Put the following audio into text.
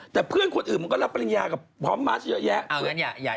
แต่เพื่อนคนอื่นมันก็รับปริญญากับพร้อมมาสเยอะแยะ